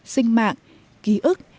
sinh mạng ký ức